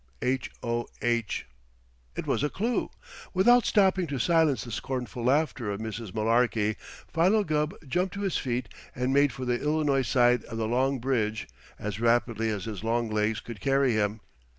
H. O'H. It was a clue! Without stopping to silence the scornful laughter of Mrs. Mullarky, Philo Gubb jumped to his feet and made for the Illinois side of the long bridge as rapidly as his long legs could carry him.